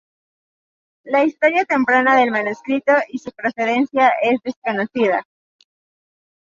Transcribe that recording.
La historia temprana del manuscrito y su procedencia es desconocida.